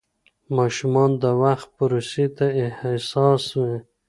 ماشومان د وخت پروسې ته حساس وي.